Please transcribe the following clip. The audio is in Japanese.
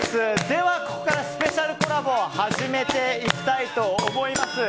では、ここからスペシャルコラボ始めていきたいと思います。